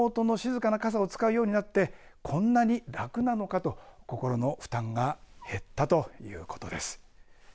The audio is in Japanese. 雨音の静かな傘を使うようになってこんなに楽なのかと心の負担が減ったということです。